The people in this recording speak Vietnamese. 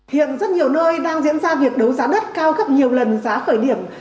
hiện rất nhiều nơi đang diễn ra việc đấu giá đất cao gấp nhiều lần giá khởi điểm